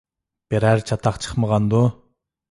بىرەر چاتاق چىقمىغاندۇ؟